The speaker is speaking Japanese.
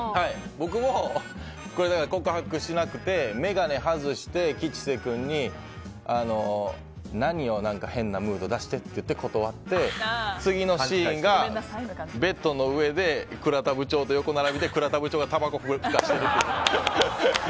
僕も、告白しなくて眼鏡外して吉瀬君に何よ、何か変なムード出して！って断って断って、次のシーンがベッドの上で倉田部長と横並びで倉田部長がたばこ、ふかしてるっていう。